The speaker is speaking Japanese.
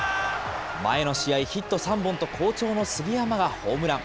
前の試合、ヒット３本と好調の杉山がホームラン。